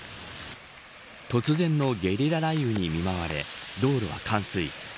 突然のゲリラ雷雨に見舞われ道路は冠水。